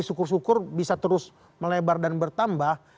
syukur syukur bisa terus melebar dan bertambah